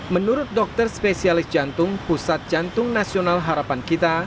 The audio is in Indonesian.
menurut dokter spesialis jantung pusat jantung nasional harapan kita